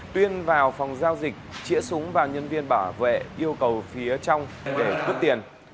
tuyên vào phòng giao dịch chĩa súng vào nhân viên bảo vệ yêu cầu phía trong để cướp tiền